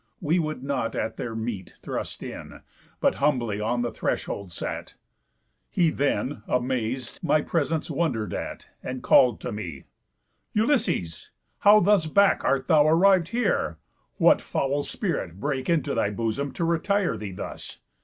We would not at their meat Thrust in; but humbly on the threshold sat. He then, amaz'd, my presence wonder'd at, And call'd to me: 'Ulysses! How thus back Art thou arriv'd here? What foul spirit brake Into thy bosom, to retire thee thus?